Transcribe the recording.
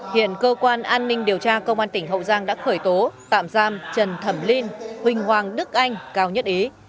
hiện cơ quan an ninh điều tra công an tỉnh hậu giang đã khởi tố tạm giam trần thẩm linh huỳnh hoàng đức anh cao nhất ý